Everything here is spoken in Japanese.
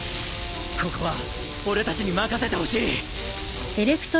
ここは俺たちに任せてほしい。